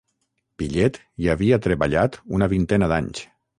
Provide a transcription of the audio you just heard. Pillet hi havia treballat una vintena d'anys.